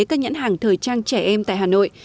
các nhãn hàng thời trang trẻ em tại hà nội